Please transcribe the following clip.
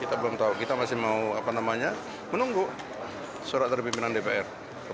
kita belum tahu kita masih mau menunggu surat dari pimpinan dpr